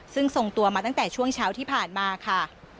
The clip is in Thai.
ซึ่งส่งตัวมาตั้งแต่ช่วงเช้าที่ผ่านมาค่ะ